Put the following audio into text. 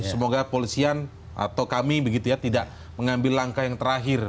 semoga polisian atau kami tidak mengambil langkah yang terakhir